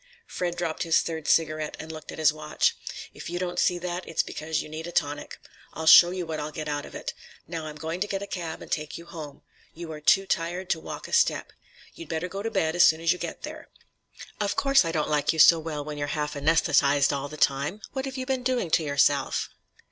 Fred dropped his third cigarette and looked at his watch. "If you don't see that, it's because you need a tonic. I'll show you what I'll get out of it. Now I'm going to get a cab and take you home. You are too tired to walk a step. You'd better get to bed as soon as you get there. Of course, I don't like you so well when you're half anaesthetized all the time. What have you been doing to yourself?"